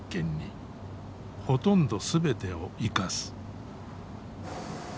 ほとんど全てを生かす。